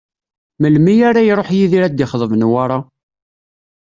Melmi ara iruḥ Yidir ad d-ixḍeb Newwara?